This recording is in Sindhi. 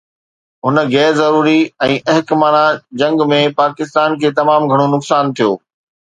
هن غير ضروري ۽ احمقانه جنگ ۾ پاڪستان کي تمام گهڻو نقصان ٿيو.